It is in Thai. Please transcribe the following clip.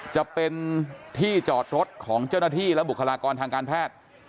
จะเป็นที่จอดรถของเจ้าหน้าที่และบุคลากรทางการแพทย์